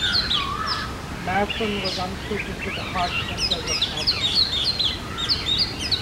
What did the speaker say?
Masson was unsuited to the harsh winters of North America.